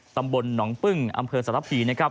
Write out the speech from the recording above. ตำบลหนองปึ้งอำเภอสระผี